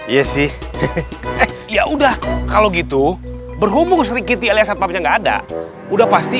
ya udah kalau gitu berhubung sering kita lihatnya nggak ada udah pasti